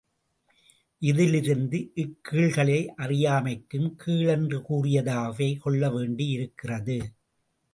இதிலிருந்து இக்கீழ்களை அறியா மைக்கும் கீழ் என்று கூறியதாகவே கொள்ளவேண்டியிருக்கிறது!